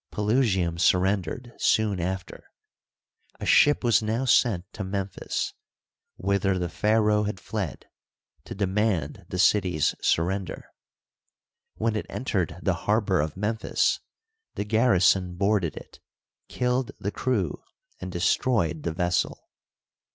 Pelusium surrendered soon after. A ship was now sent to Memphis, whither the pharaoh had fled, to demand the city's surrender. When it en tered the harbor of Memphis the garrison bo2U ded it, killed the crew, and destroyed the vessel.